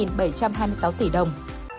bảy trăm hai mươi sáu tỷ đồng